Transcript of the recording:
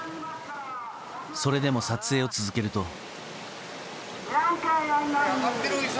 それでも撮影を続けると。